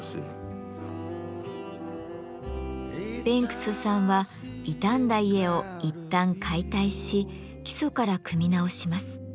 ベンクスさんは傷んだ家をいったん解体し基礎から組み直します。